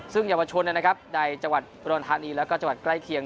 ซึ่งเยาวชนในจังหวัดอุดรธานีและใกล้เคียง